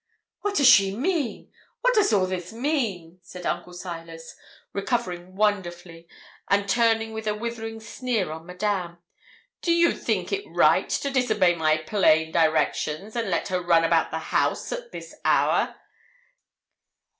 'What does she mean? what does all this mean?' said Uncle Silas, recovering wonderfully, and turning with a withering sneer on Madame. 'Do you think it right to disobey my plain directions, and let her run about the house at this hour?'